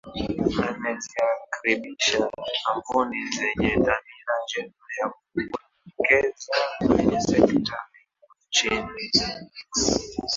Ameziakribisha kampujni zenye dhamira njema ya kuwekeza kwenye sekta hiyo hapa nchini